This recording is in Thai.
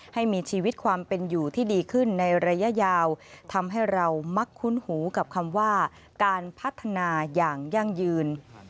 ให้มีชีวิตความเป็นอยู่ที่ดีขึ้นในระยะยาวทำให้เรามักคุ้นหูกับคำว่าการพัฒนาอย่างยั่งยืน